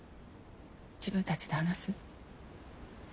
自分たちで話す？